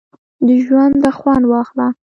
د ژونده خوند واخله!